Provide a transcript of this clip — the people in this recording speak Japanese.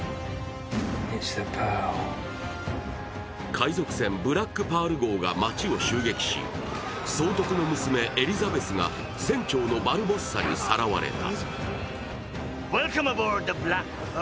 海賊船「ブラック・パール号」が町を襲撃し総督の娘、エリザベスが船長のバルボッサにさらわれた。